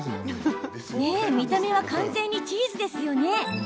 見た目は完全にチーズですよね